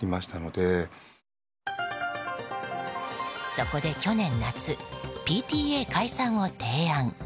そこで、去年夏ＰＴＡ解散を提案。